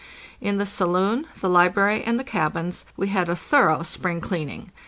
In the saloon, the library, and the cabins we had a thorough "spring cleaning.""